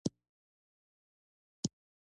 پکتیکا د افغانستان د ولایاتو په کچه توپیر لري.